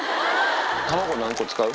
卵、何個使う？